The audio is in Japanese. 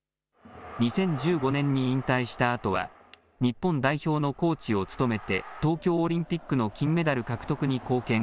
２０１５年に引退したあとは日本代表のコーチを務めて東京オリンピックの金メダル獲得に貢献。